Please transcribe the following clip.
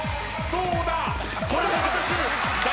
どうだ？